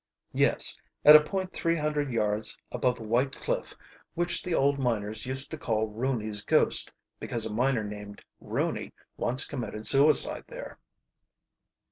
"Yes, at a point three hundred yards above a white cliff which the old miners used to call Rooney's Ghost, because a miner named Rooney once committed suicide there."